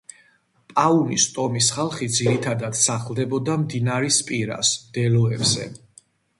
პაუნის ტომის ხალხი ძირითადად სახლდებოდა მდინარის პირას, მდელოებზე.